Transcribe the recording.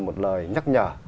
một lời nhắc nhở